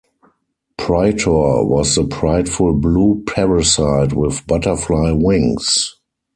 Pritor was the prideful blue parasite with butterfly wings.